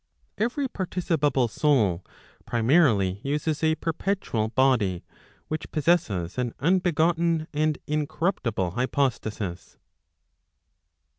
Every participable soul, primarily uses a perpetual body, which possesses an unbegotten and incorruptible hypostasis.